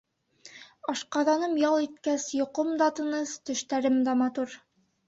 Ашҡаҙаным ял иткәс, йоҡом да тыныс, төштәрем дә матур.